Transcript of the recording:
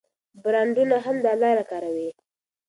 برانډونه هم دا لاره کاروي.